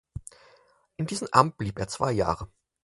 In diesem Amt blieb er zwei Jahre.